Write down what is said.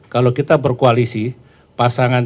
kalau kita berkoalisi pasangan